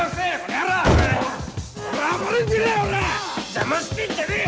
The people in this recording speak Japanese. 邪魔してんじゃねえよ！